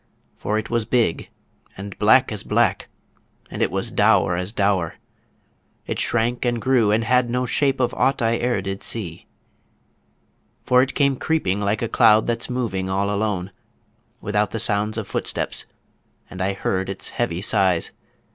For it was big and black as black, and it was dour as dour, It shrank and grew and had no shape of aught I e'er did see. For it came creeping like a cloud that's moving all alone, Without the sound of footsteps ... and I heard its heavy sighs